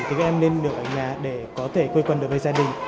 thì các em nên được ở nhà để có thể quê quân đối với gia đình